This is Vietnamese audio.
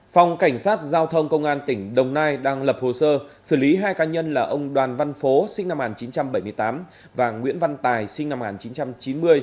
phòng cảnh sát giao thông công an tỉnh đồng nai đang lập hồ sơ xử lý hai ca nhân là ông đoàn văn phố sinh năm một nghìn chín trăm bảy mươi tám và nguyễn văn tài sinh năm một nghìn chín trăm chín mươi